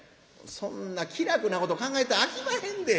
「そんな気楽なこと考えたらあきまへんで。